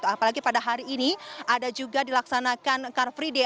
apalagi pada hari ini ada juga dilaksanakan car free day